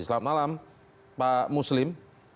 selamat malam pak muslim